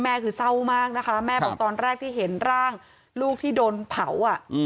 คือเศร้ามากนะคะแม่บอกตอนแรกที่เห็นร่างลูกที่โดนเผา